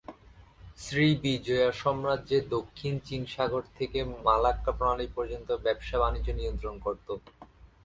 শ্রী বিজয়া সাম্রাজ্যে দক্ষিণ চীন সাগর থেকে মালাক্কা প্রণালী পর্যন্ত ব্যবসা বাণিজ্য নিয়ন্ত্রণ করত।